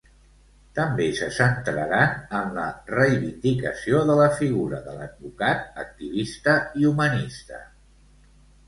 També se centraran en la reivindicació de la figura de l'advocat, activista i humanista.